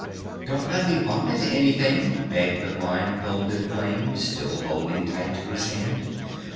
"Don't let me bump into anything!" begged the blindfolded Flame, still holding tight to his hand.